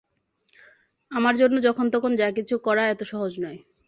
আমার জন্য যখন তখন যা কিছু করা এত সহজ নয়।